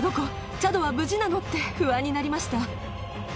チャドは無事なの？って不安になりました。